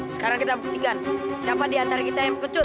sekarang kita buktikan siapa diantara kita yang kecut